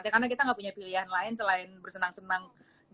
karena kita tidak punya pilihan lain selain bersenang senang